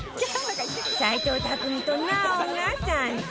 斎藤工と奈緒が参戦